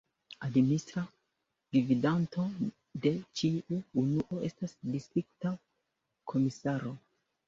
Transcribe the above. Administra gvidanto de ĉiu unuo estas distrikta komisaro.